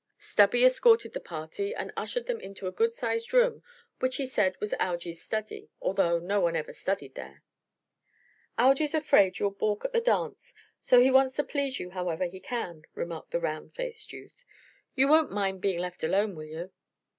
Stubby escorted the party and ushered them into a good sized room which he said was "Algy's study," although no one ever studied there. "Algy's afraid you'll balk at the dance; so he wants to please you however he can," remarked the round faced youth. "You won't mind being left alone, will you?"